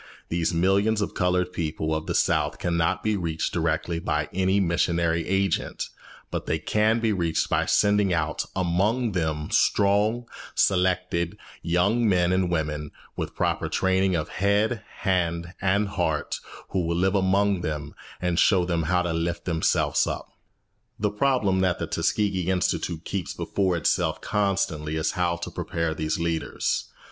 These millions of coloured people of the South cannot be reached directly by any missionary agent; but they can be reached by sending out among them strong, selected young men and women, with the proper training of head, hand, and heart, who will live among them and show them how to lift themselves up. The problem that the Tuskegee Institute keeps before itself constantly is how to prepare these leaders.